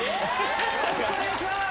よろしくお願いします